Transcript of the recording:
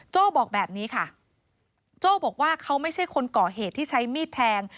บอกแบบนี้ค่ะโจ้บอกว่าเขาไม่ใช่คนก่อเหตุที่ใช้มีดแทง